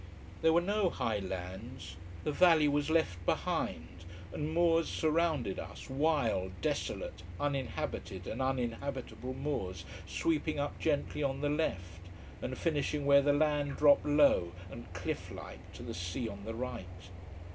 There were no high lands. The valley was left behind, and moors surrounded us, wild, desolate, uninhabited and uninhabitable moors sweeping up gently on the left, and finishing where the land dropped low and clifflike to the sea on the right.